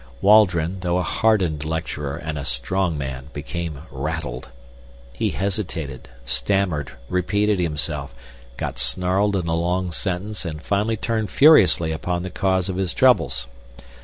Waldron, though a hardened lecturer and a strong man, became rattled. He hesitated, stammered, repeated himself, got snarled in a long sentence, and finally turned furiously upon the cause of his troubles.